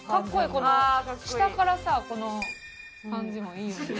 この下からさこの感じもいいよね。